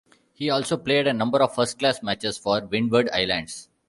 He also played a number of first class matches for Windward Islands.